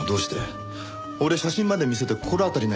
俺写真まで見せて心当たりないか聞いたよね？